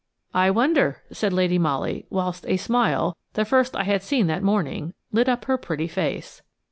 "I wonder," said Lady Molly, whilst a smile–the first I had seen that morning–lit up her pretty face.